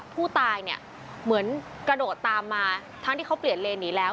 ผู้ตายเนี่ยเหมือนกระโดดตามมาทั้งที่เขาเปลี่ยนเลนหนีแล้ว